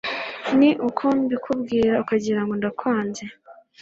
ni uko mbikubwira ukagira ngo ndakwanze